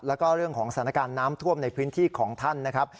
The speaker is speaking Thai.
แล้วก็เรื่องของสถานการณ์น้ำท่วมในพื้นที่ของท่านนะครับ